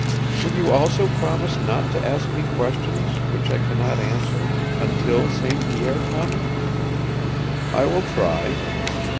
Will you also promise not to ask me questions, which I can not answer until St. Pierre comes?" "I will try."